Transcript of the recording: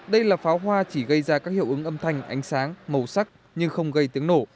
đây là pháo hoa chỉ gây ra các hiệu ứng âm thanh ánh sáng màu sắc nhưng không gây tiếng nổ